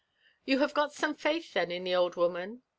'*'* Ypu Iiave got some faith, then, in the old woman?"